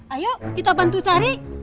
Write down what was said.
ayo kita bantu cari